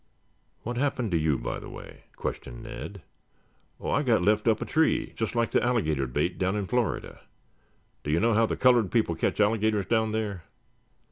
"What happened to you, by the way?" questioned Ned. "Oh, I got left up a tree, just like the alligator bait down in Florida. Do you know how the colored people catch alligators down there?"